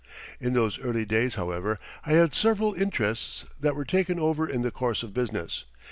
In those early days, however, I had several interests that were taken over in the course of business.